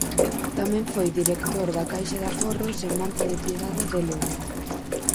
Tamén foi director da Caixa de Aforros e Monte de Piedade de Lugo.